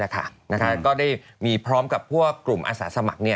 ก็ได้มีพร้อมกับกลุ่มอสาวสมัครเนี่ย